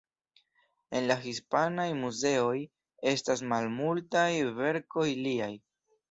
En la hispanaj muzeoj estas malmultaj verkoj liaj.